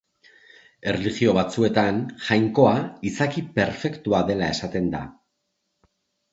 Erlijio batzuetan, Jainkoa izaki perfektua dela esaten da.